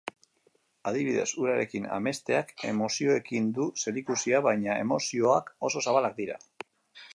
Adibidez, urarekin amesteak emozioekin du zerikusia, baina emozioak oso zabalak dira.